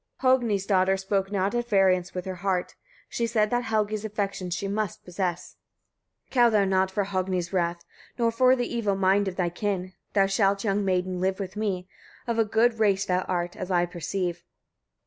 15. Hogni's daughter spoke not at variance with her heart: she said that Helgi's affection she must possess. Helgi. 16. Care thou not for Hogni's wrath, nor for the evil mind of thy kin. Thou shalt, young maiden! live with me: of a good race thou art, as I perceive.